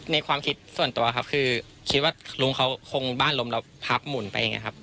ความคิดส่วนตัวครับคือคิดว่าลุงเขาคงบ้านลมแล้วพักหมุนไปอย่างนี้ครับ